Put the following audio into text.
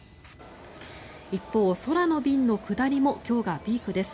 一方、空の便の下りも今日がピークです。